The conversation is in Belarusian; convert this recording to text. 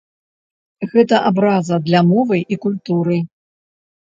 Гэта абраза для мовы і культуры.